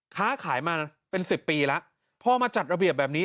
ค้าขายมาเป็น๑๐ปีแล้วพอมาจัดระเบียบแบบนี้